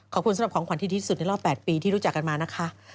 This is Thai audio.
สำหรับของขวัญที่ดีที่สุดในรอบ๘ปีที่รู้จักกันมานะคะ